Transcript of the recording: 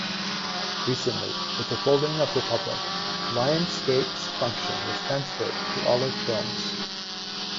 Recently, with the folding of Republic, Lionsgate's function was transferred to Olive Films.